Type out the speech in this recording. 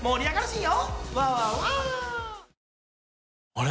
あれ？